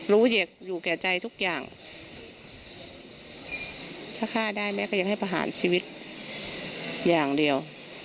เหยียดอยู่แก่ใจทุกอย่างถ้าฆ่าได้แม่ก็ยังให้ประหารชีวิตอย่างเดียว